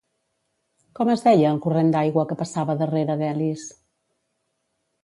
Com es deia el corrent d'aigua que passava darrere d'Elis?